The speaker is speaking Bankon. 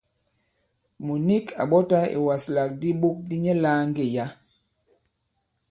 Mùt nik à ɓɔtā ìwaslàk di iɓok di nyɛ lāa ŋgê yǎ.